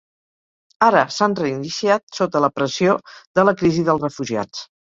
Ara s’han reiniciat sota la pressió de la crisi dels refugiats.